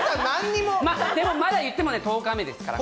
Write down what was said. まだ、いっても１０日目ですから。